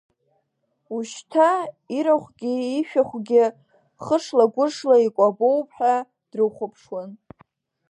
Ушьҭа ирахәгьы-ишәахәгьы хышла-гәышла икәабоуп ҳәа дрыхәаԥшуан.